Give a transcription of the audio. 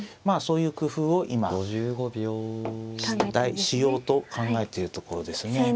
まあそういう工夫を今しようと考えているところですね。